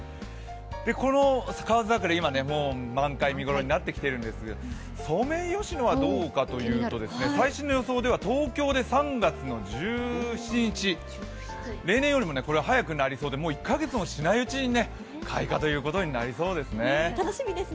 この河津桜、もう満開見頃になってきているんですがソメイヨシノはどうかというと最新の予想では東京で３月１７日、例年よりも早くなりそうでもう１か月もしないうちに開花ということになりそうですね。